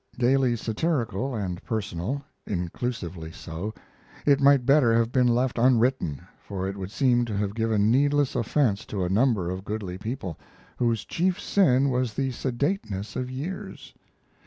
Gaily satirical and personal inclusively so it might better have been left unwritten, for it would seem to have given needless offense to a number of goodly people, whose chief sin was the sedateness of years.